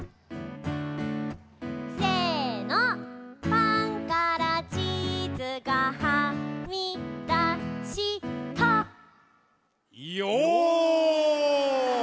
「パンからチーズがはみだした」よぉ！